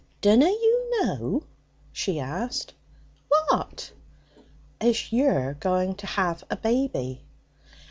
'Dunna you know?' she asked. 'What?' 'As you're going to have a baby?'